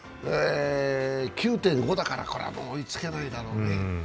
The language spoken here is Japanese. ９．５だから、もうこれは追いつけないだろうね。